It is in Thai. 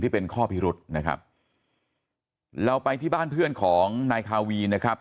เป็นข้อพิรุษนะครับเราไปที่บ้านเพื่อนของนายคาวีนะครับ